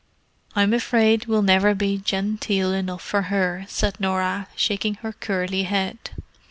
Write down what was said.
"I'm afraid we'll never be genteel enough for her," said Norah, shaking her curly head.